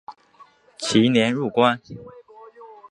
其年入关。